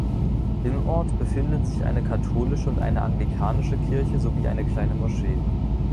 Im Ort befinden sich eine katholische und eine anglikanische Kirche sowie eine kleine Moschee.